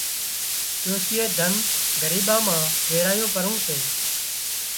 ڏوشيئي ڌنَ ڳريٻان مان ويرايون پرون سي